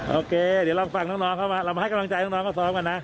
โอเคเดี๋ยวเราฟังทั้งเข้ามาเรามาให้กำลังใจทั้งกล้าซ้ำก่อนนะ